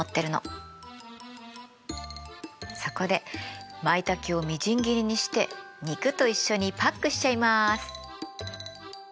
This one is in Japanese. そこでマイタケをみじん切りにして肉と一緒にパックしちゃいます。